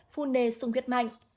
phu nề sung huyết mạnh